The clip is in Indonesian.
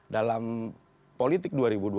dalam politik dua ribu dua puluh